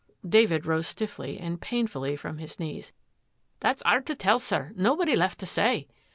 " David rose stiffly and painfully from his knees. " That's 'ard to tell, sir. Nobody left to say.